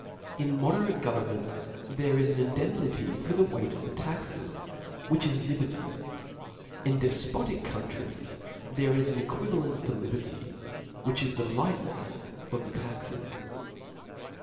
In mode rate governments there is an indemnity for the weight of the taxes, which is liberty. In defpotic countries * there is an equivalent far liberty, which , is the lightnefs of the taxes.